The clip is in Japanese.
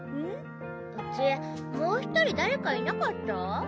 うちもう１人誰かいなかった？